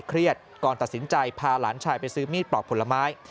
ก่อนตัดสินใจพาหลานชายไปซื้อมีดปลอกผลไม้